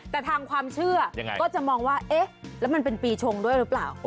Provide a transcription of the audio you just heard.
แต่ทางความเชื่อก็จะมองว่าเอ๊ะแล้วมันเป็นปีชงด้วยหรือเปล่า